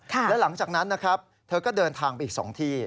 และหลังจากนั้นนะครับเธอก็เดินทางไปอีก๒ที่